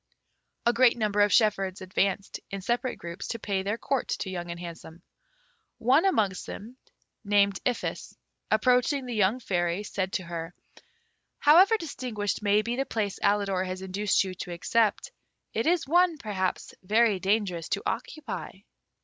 A great number of shepherds advanced, in separate groups, to pay their court to Young and Handsome. One amongst them, named Iphis, approaching the young Fairy, said to her, "However distinguished may be the place Alidor has induced you to accept, it is one, perhaps, very dangerous to occupy."